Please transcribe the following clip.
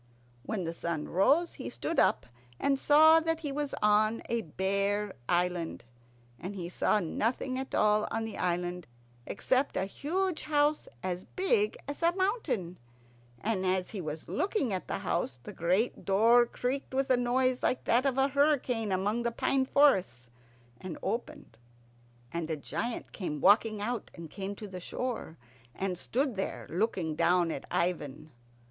When the sun rose he stood up, and saw that he was on a bare island, and he saw nothing at all on the island except a huge house as big as a mountain; and as he was looking at the house the great door creaked with a noise like that of a hurricane among the pine forests, and opened; and a giant came walking out, and came to the shore, and stood there, looking down at Ivan.